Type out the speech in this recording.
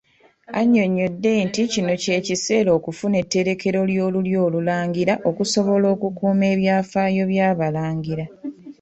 Anyonnyodde nti kino kye kiseera okufuna etterekero ly'olulyo Olulangira okusobola okukuuma ebyafaayo by'Abalangira.